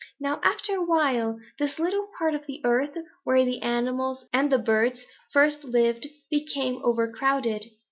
Now after a while, this little part of the earth where the animals and the birds first lived became overcrowded.